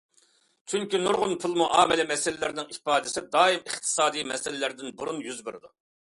چۈنكى نۇرغۇن پۇل مۇئامىلە مەسىلىلىرىنىڭ ئىپادىسى دائىم ئىقتىسادىي مەسىلىلەردىن بۇرۇن يۈز بېرىدۇ.